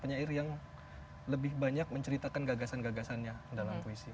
penyair yang lebih banyak menceritakan gagasan gagasannya dalam puisi